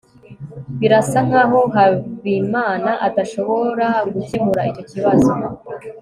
birasa nkaho habimana adashobora gukemura icyo kibazo